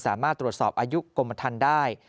สามารถตรวจสอบอายุกรมทันได้